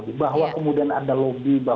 dia ketkurut hacen an tollez kaniertan in labacko